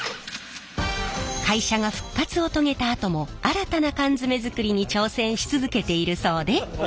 会社が復活を遂げたあとも新たな缶詰作りに挑戦し続けているそうで。